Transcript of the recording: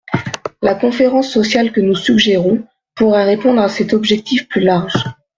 La conférence sociale que nous suggérons pourrait répondre à cet objectif plus large.